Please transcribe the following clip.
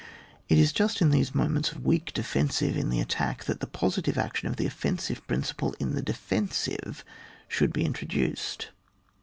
It is just in these moments of weak defensive in the attack, that the positive action of the offensive Principle in the defensive should be intro uced.